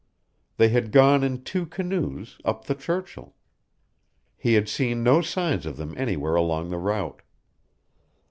They had gone in two canoes, up the Churchill. He had seen no signs of them anywhere along the route.